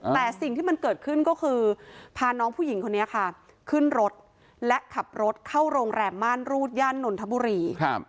แต่สิ่งที่มันเกิดขึ้นก็คือพาน้องผู้หญิงคนนี้ค่ะขึ้นรถและขับรถเข้าโรงแรมม่านรูดย่านนทบุรี